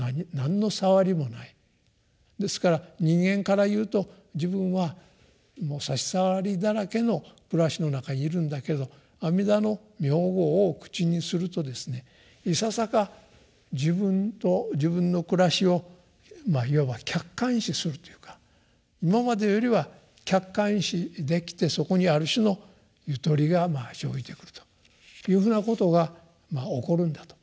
ですから人間から言うと自分はもう差し障りだらけの暮らしの中にいるんだけど阿弥陀の名号を口にするとですねいささか自分と自分の暮らしをまあいわば客観視するというか今までよりは客観視できてそこにある種のゆとりがまあ生じてくるというふうなことがまあ起こるんだと。